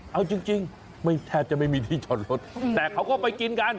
เอาจริงไม่แทบจะไม่มีที่จอดรถแต่เขาก็ไปกินกัน